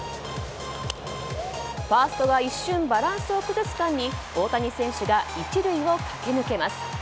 ファーストが一瞬バランスを崩す間に大谷選手が１塁を駆け抜けます。